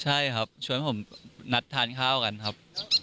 ใช่ครับชวนผมนัดทานข้าวกันครับ